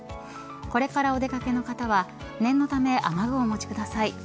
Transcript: これからお出掛けの方は念のため雨具をお持ちください。